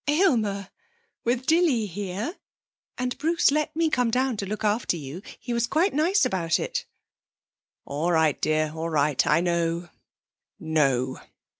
'Aylmer! With Dilly here! And Bruce let me come down to look after you! He was quite nice about it.' 'All right, dear, all right.... I know. No.